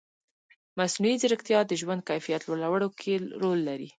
مصنوعي ځیرکتیا د ژوند کیفیت لوړولو کې رول لري.